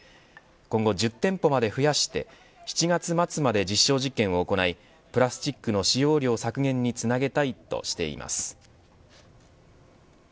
今後１０店舗まで増やして７月末まで実証実験を行いプラスチックの使用量削減につなげたいとしています。